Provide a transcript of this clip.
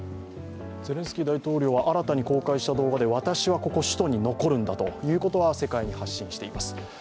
ゼレンスキー大統領は新たに公開した動画で私は、ここ首都に残るんだということは世界に発信しています。